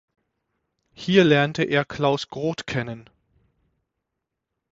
Hier lernte er Klaus Groth kennen.